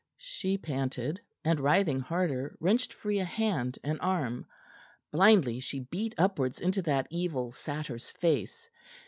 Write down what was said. she panted, and writhing harder, wrenched free a hand and arm. Blindly she beat upwards into that evil satyr's face.